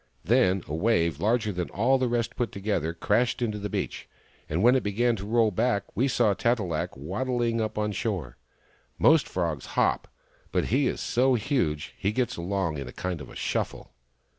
Then a wave larger than all the rest put together crashed into the beach, and when it began to roll back we saw Tat e lak waddling up the shore. Most frogs hop, but he is so huge that he gets along in a kind of shuffle."